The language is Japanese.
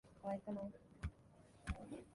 親切なんだか押しつけがましいんだかわからん